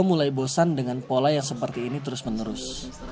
mulai bosan dengan pola yang seperti ini terus menerus